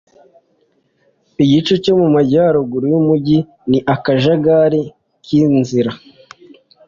igice cyo mu majyaruguru yumujyi ni akajagari k'inzira